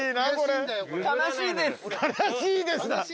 「悲しいです」だ。